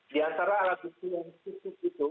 di antara alat bukti yang cukup itu